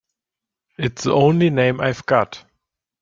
It's the only name I've got.